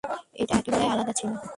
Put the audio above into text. এটা একেবারেই আলাদা ছিল।